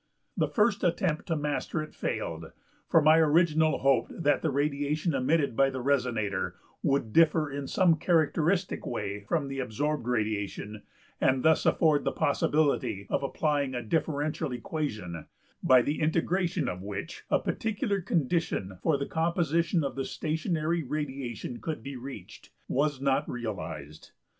The first attempt to master it failed: for my original hope that the radiation emitted by the resonator would differ in some characteristic way from the absorbed radiation, and thus afford the possibility of applying a differential equation, by the integration of which a particular condition for the composition of the stationary radiation could be reached, was not realized.